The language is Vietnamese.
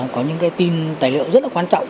có những tin tài liệu rất là quan trọng